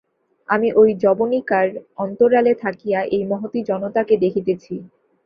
আমি ঐ যবনিকার অন্তরালে থাকিয়া এই মহতী জনতাকে দেখিতেছি।